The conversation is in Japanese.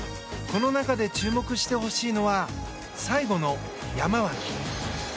この中で注目してほしいのが最後のヤマワキ。